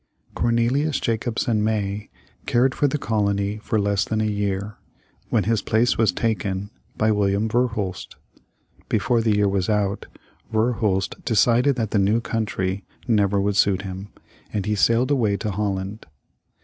Cornelius Jacobsen May cared for the colony for less than a year, when his place was taken by William Verhulst. Before the year was out, Verhulst decided that the new country never would suit him, and he sailed away to Holland.